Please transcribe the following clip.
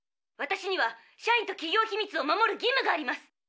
私には社員と企業秘密を守る義務があります。